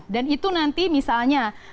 dan itu nanti misalnya